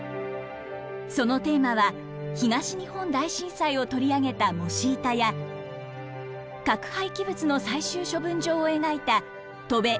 そのテーマは東日本大震災を取り上げた「もしイタ」や核廃棄物の最終処分場を描いた「翔べ！